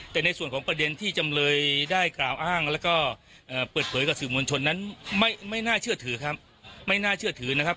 แต่ในส่วนของประเด็นที่จำเลยได้กล่าวอ้างแล้วก็เปิดเผยกับสื่อมวลชนนั้นไม่น่าเชื่อถือครับไม่น่าเชื่อถือนะครับ